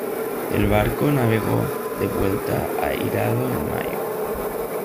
El barco navegó de vuelta a Hirado en mayo.